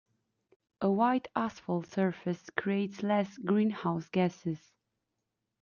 A white asphalt surface creates less greenhouse gases.